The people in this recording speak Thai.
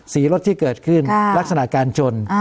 รถที่เกิดขึ้นลักษณะการชน